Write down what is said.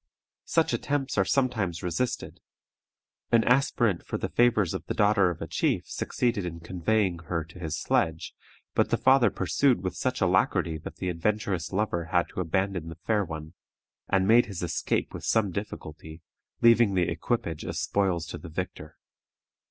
Such attempts are sometimes resisted. An aspirant for the favors of the daughter of a chief succeeded in conveying her to his sledge, but the father pursued with such alacrity that the adventurous lover had to abandon the fair one, and made his escape with some difficulty, leaving the equipage as spoils to the victor.